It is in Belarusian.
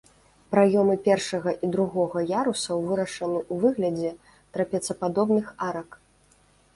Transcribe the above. Праёмы першага і другога ярусаў вырашаны ў выглядзе трапецападобных арак.